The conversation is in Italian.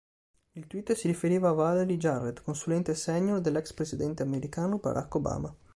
Il tweet si riferiva a Valerie Jarrett, consulente senior dell'ex presidente americano Barack Obama.